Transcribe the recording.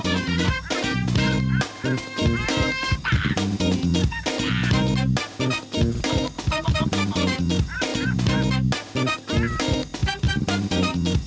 โปรดติดตามตอนต่อไป